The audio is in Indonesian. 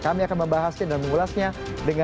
kami akan membahas dan mengulas sebenarnya